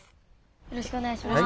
よろしくお願いします。